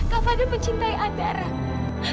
kak fadil mencintai andara